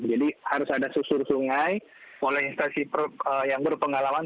jadi harus ada susur sungai oleh instasi yang berpengalaman